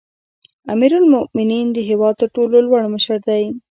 امیرالمؤمنین د هیواد تر ټولو لوړ مشر دی